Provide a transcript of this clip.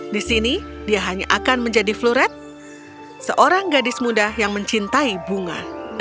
di sini dia hanya akan menjadi fluret seorang gadis muda yang mencintai bunga